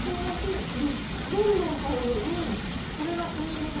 どんどん香る。